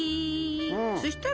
そしたら？